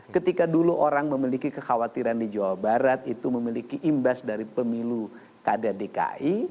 ketika dulu orang memiliki kekhawatiran di jawa barat itu memiliki imbas dari pemilu kada dki